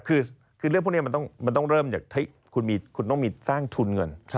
คือเรื่องพวกนี้มันต้องเริ่มมันต้องถึงหาทุนเงิน